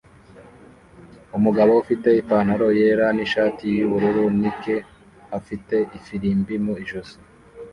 Umugabo ufite ipantaro yera nishati yubururu Nike afite ifirimbi mu ijosi